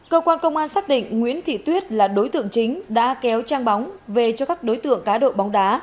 cơ quan công an xác định nguyễn thị tuyết là đối tượng chính đã kéo trang bóng về cho các đối tượng cá độ bóng đá